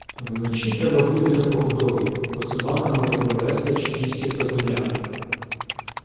Вночі треба бути напоготові, бо собака може привести чекістів до землянок.